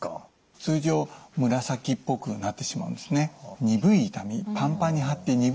通常紫っぽくなってしまうんですね。